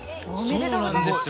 そうなんですよ。